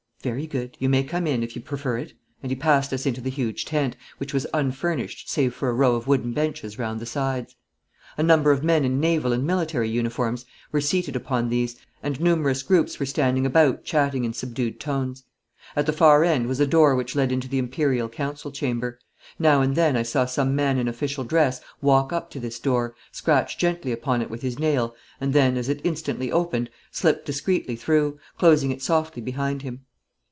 'Very good. You may come in, if you prefer it!' And he passed us into the huge tent, which was unfurnished, save for a row of wooden benches round the sides. A number of men in naval and military uniforms were seated upon these, and numerous groups were standing about chatting in subdued tones. At the far end was a door which led into the Imperial council chamber. Now and then I saw some man in official dress walk up to this door, scratch gently upon it with his nail, and then, as it instantly opened, slip discreetly through, closing it softly behind him.